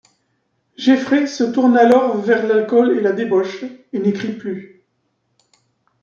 Jeffrey se tourne alors vers l'alcool et la débauche et n'écrit plus.